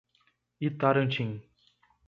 Itarantim